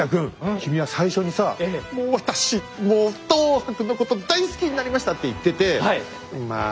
君は最初にさ「もう私もう等伯のこと大好きになりました」って言っててまあね